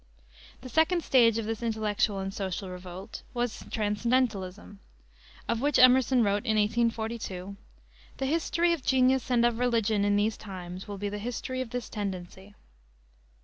The second stage of this intellectual and social revolt was Transcendentalism, of which Emerson wrote, in 1842: "The history of genius and of religion in these times will be the history of this tendency."